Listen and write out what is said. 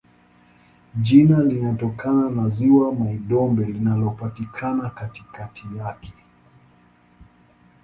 Jina linatokana na ziwa Mai-Ndombe linalopatikana katikati yake.